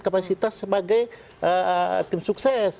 kapasitas sebagai tim sukses